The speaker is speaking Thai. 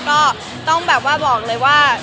ก็ต้องแบบว่าบอกเลยว่า